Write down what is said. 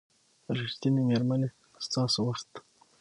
ریښتینې میرمنې ستاسو وخت